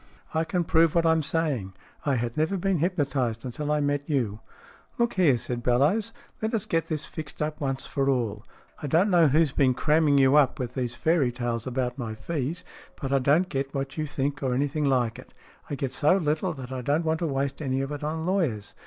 I can prove what I'm say ing. I had never been hypnotized until I met you." "Look here," said Bellowes. "Let us get this fixed up once for all. I don't know who's been cramming you up with these fairy tales about my fees, but I don't get what you think, or anything like it. I get so little, that I don't want to waste any of it on lawyers.